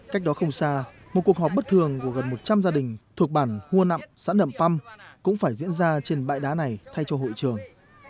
cách đó không xa một cuộc họp bất thường của gần một trăm linh gia đình thuộc bản hua nặm xã nậm păm cũng phải diễn ra trên bãi đá này thay cho hội trường